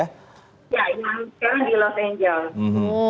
iya yang sekarang di los angeles